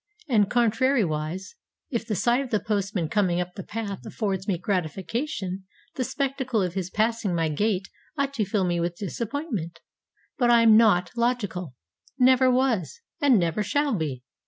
And, contrariwise, if the sight of the postman coming up the path affords me gratification, the spectacle of his passing my gate ought to fill me with disappointment. But I am not logical, never was, and never shall be.